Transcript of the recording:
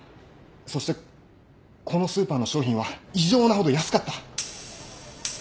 そしてこのスーパーの商品は異常なほど安かった。